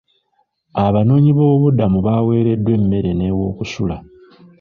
Abanoonyi b'obubudamu baawereddwa emmere n'ewokusula.